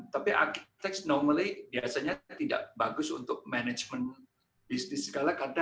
tapi architect normally biasanya tidak bagus untuk management bisnis segala keadaan